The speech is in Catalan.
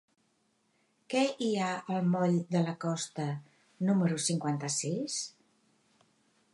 Què hi ha al moll de la Costa número cinquanta-sis?